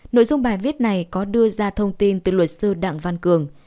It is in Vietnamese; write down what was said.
nội dung bài viết này có đưa ra thông tin từ luật sư đặng văn cường